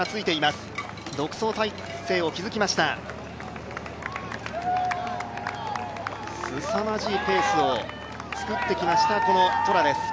すさまじいペースをつくってきました、このトラです。